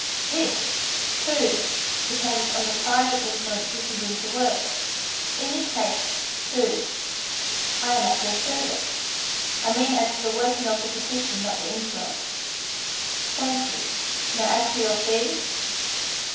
This, too, depends on the private influence you can bring to work. In this case, too, I am at your service; I mean as to the working of the petition, not the influence." "Thank you. Now as to your fees?"